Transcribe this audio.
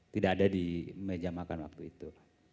tidak ada di meja makan waktu itu